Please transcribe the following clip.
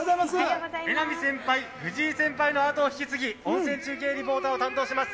榎並先輩、藤井先輩の後を引き継ぎ温泉中継リポーターを担当します。